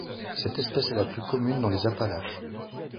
Cette espèce est plus commune dans les Appalaches.